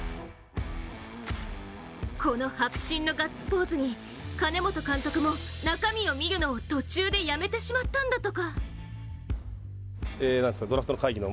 この迫真のガッツポーズに金本監督も中身を見るのを途中でやめてしまったんだとか。